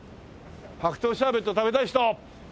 白桃シャーベット食べたい人？